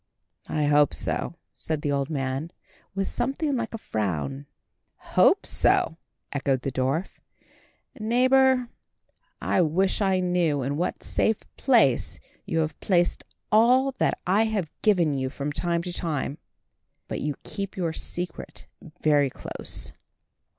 "I hope so," said the old man, with something like a frown. "Hope so!" echoed the dwarf. "Neighbour, I wish I knew in what safe place you have placed all I have given you from time to time. But you keep your secret very close."